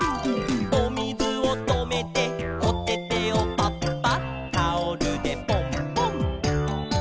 「おみずをとめておててをパッパッ」「タオルでポンポン」